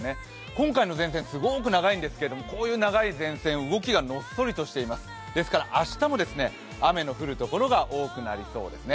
今回の前線すごく長いんですけど、こういう長い前線は動きがのっそりしてるんですけど、ですから明日も雨の降るところが多くなりそうですね。